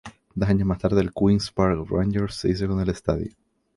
Dos años más tarde el Queens Park Rangers se hizo con el estadio.